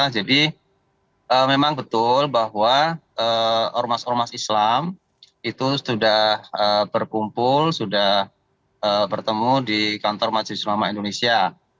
jadi memang betul bahwa ormas ormas islam itu sudah berkumpul sudah bertemu di kantor majelis ulama indonesia